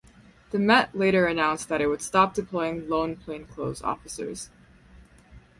The Met later announced that it would stop deploying lone plainclothes officers.